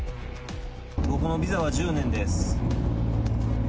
僕のビザは１０年です。